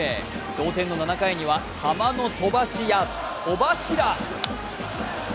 同点の７回にはハマの飛ばし屋戸柱。